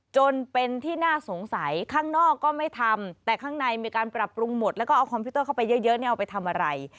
จนเป็นที่น่าสงสัยข้างนอกก็ไม่ทำแต่ข้างในมีการปรับปรุงหมดแล้วก็เอาคอมพิวเตอร์เข้าไปเยอะเอาไปทำอะไร